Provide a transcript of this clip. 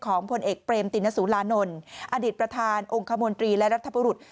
ของพลเอกเปรมติณสุลานนลอดีตประธานองค์คมนตรีและรัฐปรุต